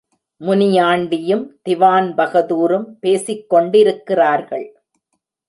முனியாண்டியும் திவான்பகதூரும் பேசிக் கொண்டிருக்கிறார்கள்.